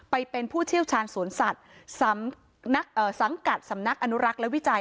ไปเป็นผู้เชี่ยวชาญสวนสัตว์สังกัดสำนักอนุรักษ์และวิจัย